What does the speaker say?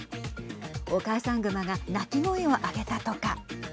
お母さん熊が鳴き声をあげたとか。